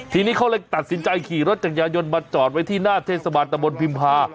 ทีนี้เขาเลยตัดสินใจขี่รถจักรยายนมาจอดไว้ที่หน้าเทศบาลตะบนพิมพา